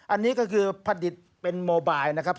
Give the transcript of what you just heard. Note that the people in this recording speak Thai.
อันนี้ก็คือผลิตเป็นโมบายนะครับ